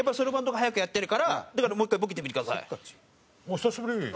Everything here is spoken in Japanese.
久しぶり！